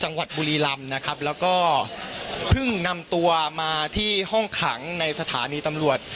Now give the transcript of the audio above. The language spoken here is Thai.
บุรีลำนะครับแล้วก็เพิ่งนำตัวมาที่ห้องขังในสถานีตำรวจ